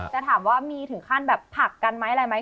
แต่ถามว่ามีถึงขั้นแบบผลักกันไหมอะไรไหม